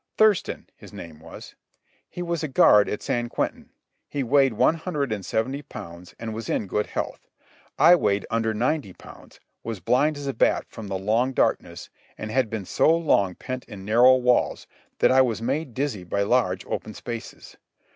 Thurston, his name was. He was a guard at San Quentin. He weighed one hundred and seventy pounds and was in good health. I weighed under ninety pounds, was blind as a bat from the long darkness, and had been so long pent in narrow walls that I was made dizzy by large open spaces.